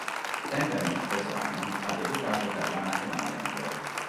Sempre nello stesso anno, ha debuttato per la Nazionale maggiore.